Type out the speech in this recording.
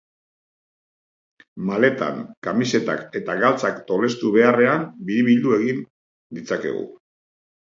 Maletan kamisetak eta galtzak tolestu beharrean, biribildu egin ditzakegu.